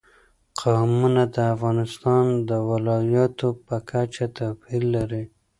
قومونه د افغانستان د ولایاتو په کچه توپیر لري.